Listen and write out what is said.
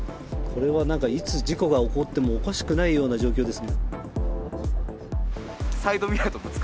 これはいつ事故が起こってもおかしくないような状況です。